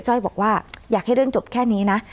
้อยบอกว่าอยากให้เรื่องจบแค่นี้นะ